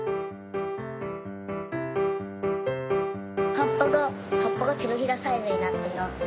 はっぱがはっぱがてのひらサイズになったよって。